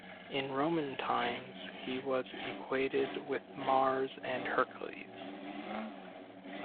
In Roman times he was equated with Mars and Hercules.